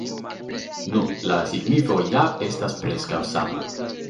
Nu, la signifo ja estas preskaŭ sama.